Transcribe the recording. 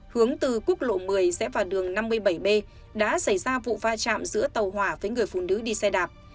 hướng từ quốc lộ một mươi rẽ vào đường năm mươi bảy b đã xảy ra vụ va chạm giữa tàu hỏa với người phụ nữ đi xe đạp